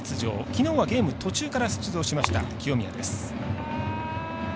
きのうはゲーム途中から出場しました、清宮。